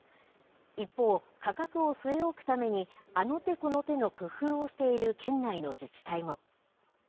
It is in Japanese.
一方、価格を据え置くためにあの手この手の工夫をしている県内の自治体も。